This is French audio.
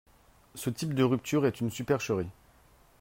Ce type de rupture est une supercherie.